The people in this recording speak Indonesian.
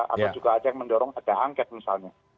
atau juga ada yang mendorong ada angket misalnya